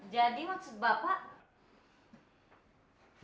jadi maksud bapak